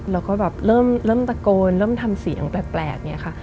แล้วก็แบบเริ่มตะโกนเริ่มทำเสียงแปลกเนี่ยค่ะ